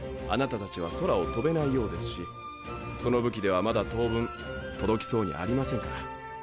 あなた達は空を飛べないようですしその武器ではまだ当分届きそうにありませんから。